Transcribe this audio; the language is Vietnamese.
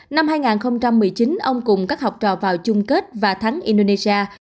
năm hai nghìn một mươi chín ông cùng các học trò vào chung kết và thắng indonesia